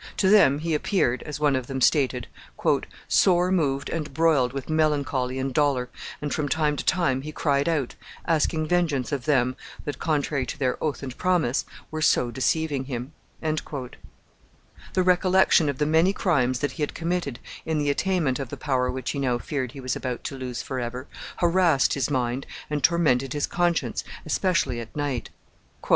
To them he appeared, as one of them stated, "sore moved and broiled with melancholy and dolor, and from time to time he cried out, asking vengeance of them that, contrary to their oath and promise, were so deceiving him." The recollection of the many crimes that he had committed in the attainment of the power which he now feared he was about to lose forever, harassed his mind and tormented his conscience, especially at night.